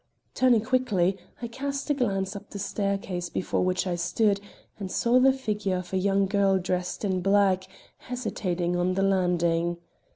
Turning quickly, I cast a glance up the staircase before which I stood and saw the figure of a young girl dressed in black hesitating on the landing.